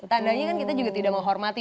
tandanya kan kita juga tidak menghormati